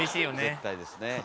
絶対ですね。